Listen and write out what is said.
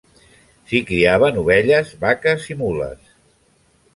S'hi criaven ovelles, vaques i mules.